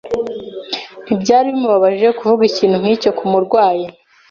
Ntibyari bimubabaje kuvuga ikintu nkicyo kumurwayi.